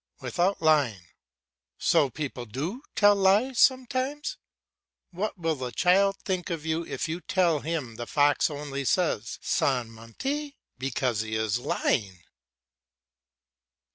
"Without lying." So people do tell lies sometimes. What will the child think of you if you tell him the fox only says "Sans mentir" because he is lying?